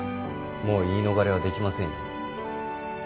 もう言い逃れはできませんよ